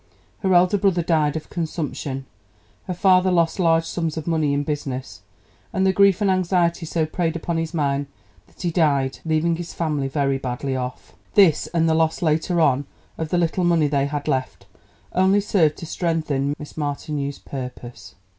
Her elder brother died of consumption, her father lost large sums of money in business, and the grief and anxiety so preyed upon his mind that he died, leaving his family very badly off. This, and the loss later on of the little money they had left, only served to strengthen Miss Martineau's purpose.